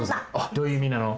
どういういみなの？